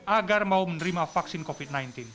agar mau menerima vaksin covid sembilan belas